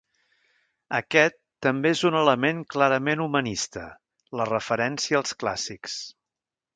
Aquest també és un element clarament humanista: la referència als clàssics.